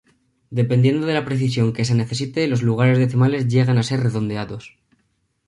Dependiendo de la precisión que se necesite los lugares decimales llegan a ser redondeados.